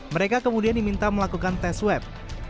mereka kemudian diminta melakukan tes swab